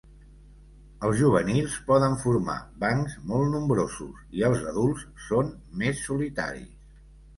Els juvenils poden formar bancs molt nombrosos i els adults són més solitaris.